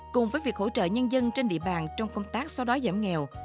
cùng với việc hỗ trợ nhân dân trên địa bàn trong công tác xóa đói giảm nghèo